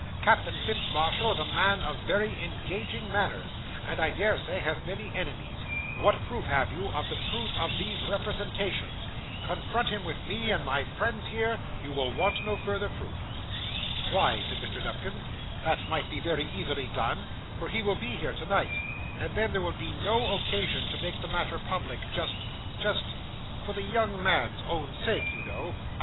Captain Fitz Marshall is a man of very engaging manners, and, I dare say, has many enemies. What proof have you of the truth of these representations?' 'Confront me with him,' said Mr. Pickwick, 'that is all I ask, and all I require. Confront him with me and my friends here; you will want no further proof.' 'Why,' said Mr. Nupkins, 'that might be very easily done, for he will be here to night, and then there would be no occasion to make the matter public, just just for the young man's own sake, you know.